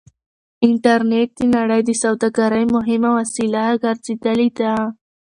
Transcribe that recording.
انټرنټ د نړۍ د سوداګرۍ مهمه وسيله ګرځېدلې ده.